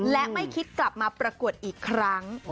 และไม่คิดกลับมาประกวดอีกครั้ง